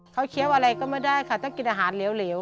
เขาเคี้ยวอะไรก็ไม่ได้ค่ะถ้ากินอาหารเหลว